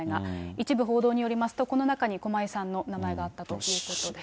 一部報道によりますと、この中に駒井さんの名前があったということです。